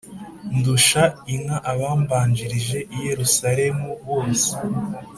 ndusha inka abambanjirije i Yerusalemu bose